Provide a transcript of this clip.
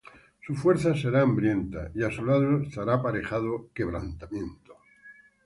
Su fuerza será hambrienta, Y á su lado estará aparejado quebrantamiento.